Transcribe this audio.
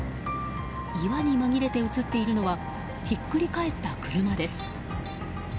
岩に紛れて映っているのはひっくり返った車です。